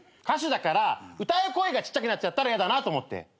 歌手だから歌う声がちっちゃくなっちゃったらやだなと思って。